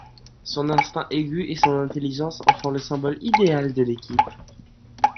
Son instinct aigu et son intelligence en font le symbole idéal de l'équipe.